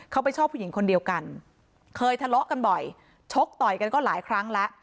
เขาไปชอบผู้หญิงคนเดียวกันเคยทะเลาะกันบ่อยชกต่อยกันก็หลายครั้งแล้ว